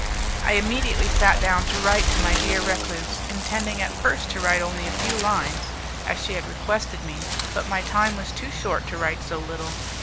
I immediately sat down to write to my dear recluse, intending at first to write only a few lines, as she had requested me; but my time was too short to write so little.